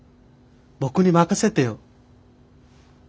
僕に任せてよ。